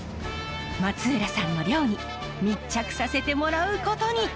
松浦さんの漁に密着させてもらうことに。